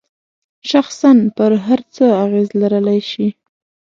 شخصاً پر هر څه اغیز لرلای شي.